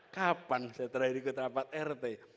kapan saya terakhir ikut rapat rt